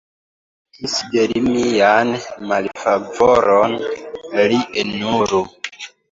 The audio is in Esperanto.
Mi demetis de li mian malfavoron, li eniru!